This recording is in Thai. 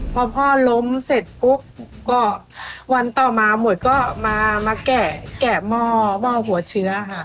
พอพ่อล้มเสร็จปุ๊บก็วันต่อมาหมวดก็มาแกะหม้อหัวเชื้อค่ะ